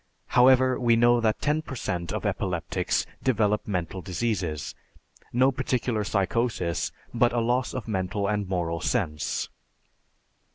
However, we know that ten per cent of epileptics develop mental diseases, no particular psychosis but a loss of mental and moral sense.